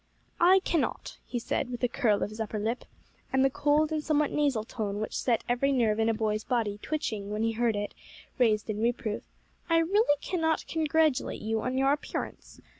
"I cannot," he said, with a curl of his upper lip, and the cold and somewhat nasal tone which set every nerve in a boy's body twitching when he heard it raised in reproof, "I really cannot congratulate you on your appearance.